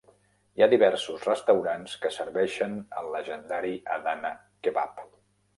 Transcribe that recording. Hi ha diversos restaurants que serveixen el llegendari Adana kebap.